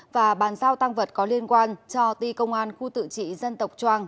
và bàn giao tăng vật có liên quan cho ti công an khu tự trị dân tộc choang